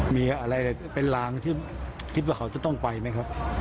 มีอะไรเป็นลางที่คิดว่าเขาจะต้องไปไหมครับ